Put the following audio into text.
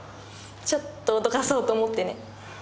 ちょっと脅かそうと思ってね